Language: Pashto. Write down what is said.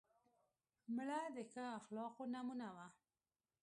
مړه د ښو اخلاقو نمونه وه